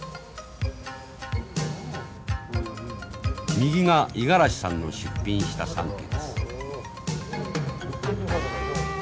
右が五十嵐さんの出品した三色。